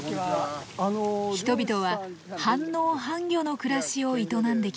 人々は半農半漁の暮らしを営んできました。